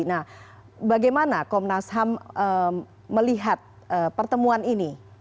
nah bagaimana komnas ham melihat pertemuan ini